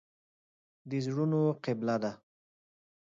د زړونو قبله ده.